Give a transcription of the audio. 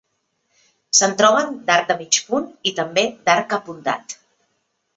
Se'n troben d'arc de mig punt i també d'arc apuntat.